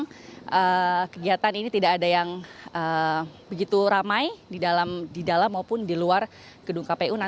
karena kegiatan ini tidak ada yang begitu ramai di dalam maupun di luar gedung kpu